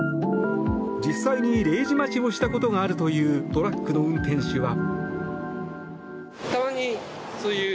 実際に０時待ちをしたことがあるというトラックの運転手は。